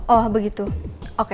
oh begitu oke